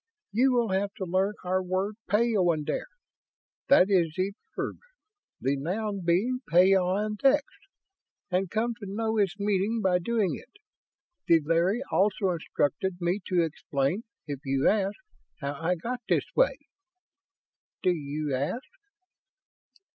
You will have to learn our word 'peyondire' that is the verb, the noun being 'peyondix' and come to know its meaning by doing it. The Larry also instructed me to explain, if you ask, how I got this way. Do you ask?"